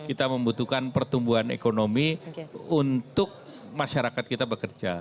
kita membutuhkan pertumbuhan ekonomi untuk masyarakat kita bekerja